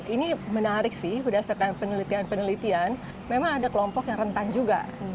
ini menarik sih berdasarkan penelitian penelitian memang ada kelompok yang rentan juga